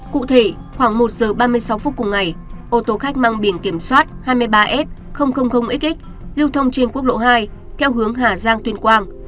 cụ thể khoảng một giờ ba mươi sáu phút cùng ngày ô tô khách mang biển kiểm soát hai mươi ba f xx lưu thông trên quốc lộ hai theo hướng hà giang tuyên quang